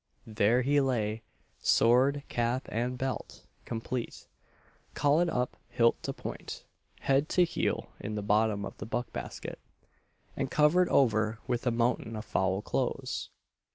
There he lay sword, cap, and belt, complete, coil'd up hilt to point, head to heel, in the bottom of the buck basket, and covered over with a mountain of foul clothes!